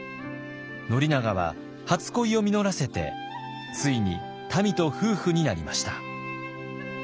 宣長は初恋を実らせてついにたみと夫婦になりました。